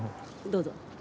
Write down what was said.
どうぞ。